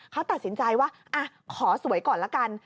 เขาตัดสินใจว่าขอสวยก่อนละกัน